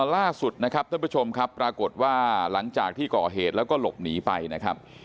ล่าสุดนะครับท่านผู้ชมครับปรากฏว่าหลังจากที่ก่อเหตุแล้วก็หลบหนีไปนะครับ